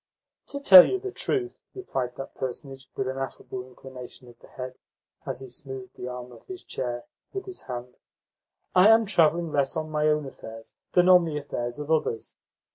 "To tell you the truth," replied that personage with an affable inclination of the head as he smoothed the arm of his chair with his hand, "I am travelling less on my own affairs than on the affairs of others.